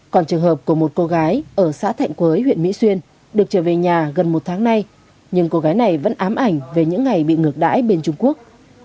còn trường hợp của một cô gái ở xã thạnh quới huyện mỹ xuyên được trở về nhà gần một tháng nay nhưng cô gái này vẫn ám ảnh về những ngày bị ngược đãi bên trung quốc